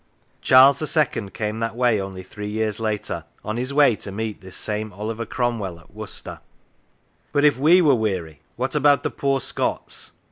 Charles II. came that way three years later, on his way to meet this same Oliver Cromwell at Worcester. But if we were weary, what about the poor Scots